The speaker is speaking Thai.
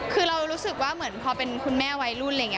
คือเรารู้สึกว่าเหมือนพอเป็นคุณแม่วัยรุ่น